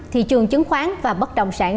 thị trường chứng khoán và bất đồng sản